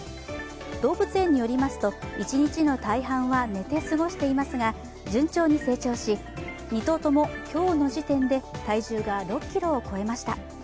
動物園によりますと、一日の大半は寝て過ごしていますが順調に成長し２頭とも今日の時点で体重が６ｋｇを超えました。